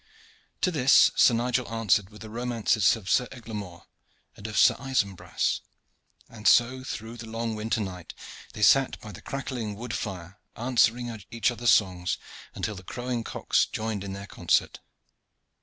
To this Sir Nigel answered with the romances of Sir Eglamour, and of Sir Isumbras, and so through the long winter night they sat by the crackling wood fire answering each other's songs until the crowing cocks joined in their concert.